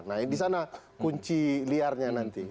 nah disana kunci liarnya nanti